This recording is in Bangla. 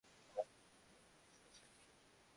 আমার একটা ছোট সমস্যা আছে।